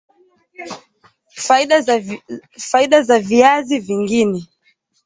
faida zaidi za viazi vingine